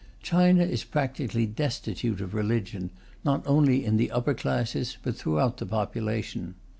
China is practically destitute of religion, not only in the upper classes, but throughout the population.